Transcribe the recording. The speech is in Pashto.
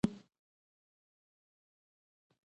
یو بل ډول سرکښان له اخلاقي اصولو منکر وو.